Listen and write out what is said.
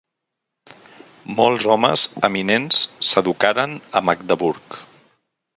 Molts homes eminents s'educaren a Magdeburg.